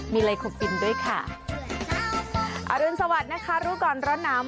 มีอะไรขอกินด้วยค่ะอรุณสวัสดิ์นะคะรู้ก่อนร้อนหนาว